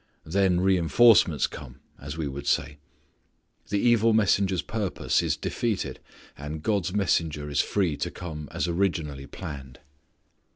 Then reenforcements come, as we would say. The evil messenger's purpose is defeated, and God's messenger is free to come as originally planned.